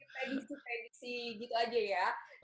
prediksi prediksi gitu aja ya